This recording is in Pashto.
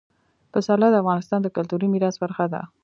پسرلی د افغانستان د کلتوري میراث برخه ده.